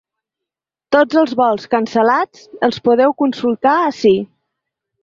Tots els vols cancel·lats els podeu consultar ací.